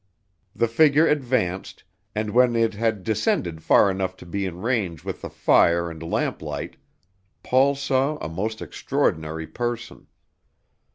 The figure advanced, and when it had descended far enough to be in range with the fire and lamplight, Paul saw a most extraordinary person.